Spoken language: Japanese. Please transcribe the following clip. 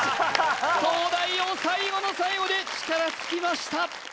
東大王最後の最後で力尽きました